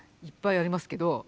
いっぱいありますけど。